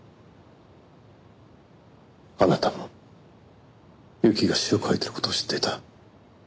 あなたも侑希が詩を書いている事を知っていた。